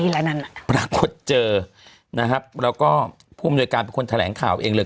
แล้วก็ผู้มนุษยการเป็นคนแถลงข่าวเองเลย